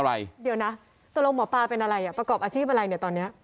เดี๋ยวนะตัวลงหมอปลาเป็นอะไรประกอบอาชีพอะไรตอนนี้